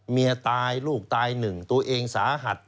เมียตายลูกตายหนึ่งตัวเองสาหัส